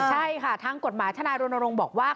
ใช่ค่ะทางกฎหมายทนายรณรงค์บอกว่า